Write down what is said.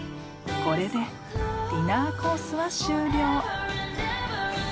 ［これでディナーコースは終了］